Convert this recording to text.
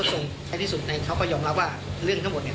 ในที่สุดเขาก็ยอมรับว่าเรื่องทั้งหมดเนี่ย